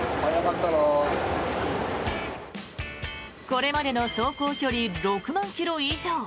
これまでの走行距離６万ｋｍ以上。